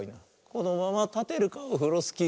「このままたてるかオフロスキー」